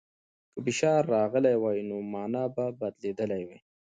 که فشار راغلی وای، نو مانا به بدلېدلې وای.